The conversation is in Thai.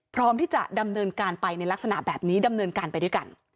พร้อมที่จะดำเนินการไปในลักษณะแบบนี้ดำเนินการไปด้วยกัน